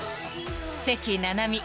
［関菜々巳